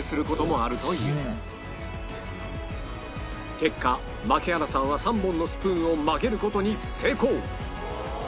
結果槙原さんは３本のスプーンを曲げる事に成功